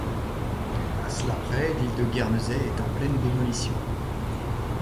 À cela près, l’île de Guernesey est en pleine démolition.